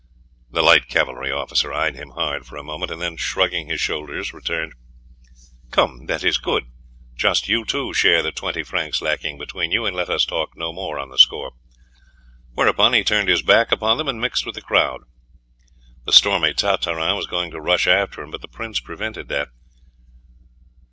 The light cavalry officer eyed him hard for a moment, and then, shrugging his shoulders, returned: "Come, that is good! Just you two share the twenty francs lacking between you, and let us talk no more on the score." Whereupon he turned his back upon them and mixed with the crowd. The stormy Tartarin was going to rush after him, but the prince prevented that.